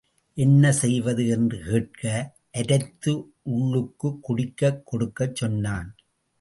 என்ன செய்வது என்று கேட்க, அரைத்து உள்ளுக்கு குடிக்க கொடுக்கச் சொன்னான்.